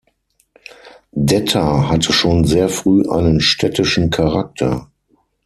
Detta hatte schon sehr früh einen städtischen Charakter.